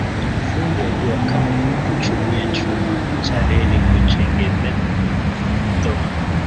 Fundi a jua kali huchumia chuma cha reli kuchengedha dhombo